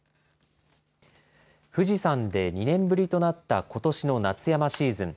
富士山で２年ぶりとなったことしの夏山シーズン。